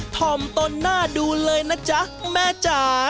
ถ่อมตนหน้าดูเลยนะจ๊ะแม่จ๋า